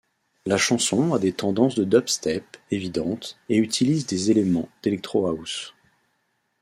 La chanson a des tendances de dubstep évidentes et utilise des éléments d'electro house.